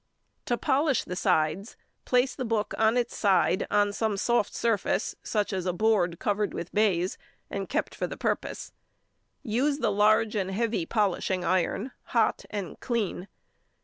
To polish the sides, place the book on its side on some |143| soft surface, such as a board covered with baize, and kept for the purpose. Use the large and heavy polishing iron, hot and clean.